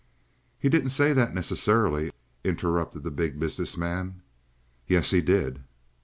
"He didn't say that necessarily," interrupted the Big Business Man. "Yes, he did."